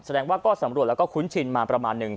แสดงว่าก็สำรวจแล้วก็คุ้นชินมาประมาณหนึ่ง